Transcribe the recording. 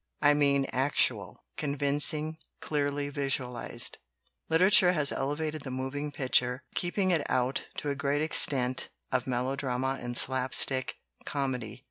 I mean actual, convincing, clearly visualized. "Literature has elevated the moving picture, keeping it out, to a great extent, of melodrama and slap stick comedy.